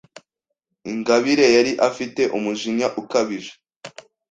Ingabire yari afite umujinya ukabije.